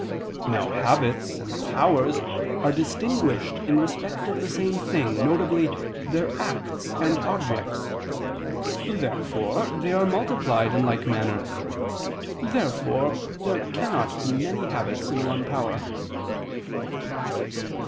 Now habits and powers are distinguished in respect of the same thing, viz. their acts and objects. Therefore they are multiplied in like manner. Therefore there cannot be many habits in one power.